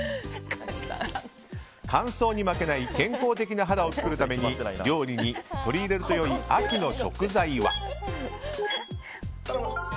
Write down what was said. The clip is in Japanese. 乾燥に負けない健康的な肌を作るために料理に取り入れると良い秋の食材は？